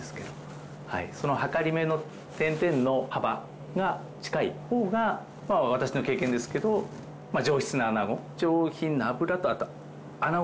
そのはかりめの点々の幅が近い方が私の経験ですけど上質なアナゴ。